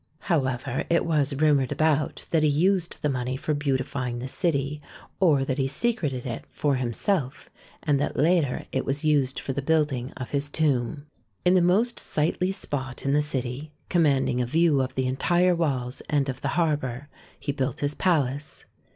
However, it was rumoured about that he used the money for beautifying the city, or that he secreted it for himself, and that later it was used for the building of his tomb. In the most sightly spot in the city, commanding a view of the entire walls and of the harbour, he built his palace.